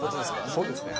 そうですね。